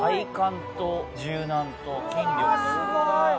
すごい。